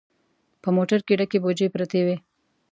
په موټر کې ډکې بوجۍ پرتې وې.